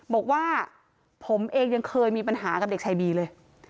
บอกว่าผมเองยังเคยมีปัญหากับเด็กชายบีเลย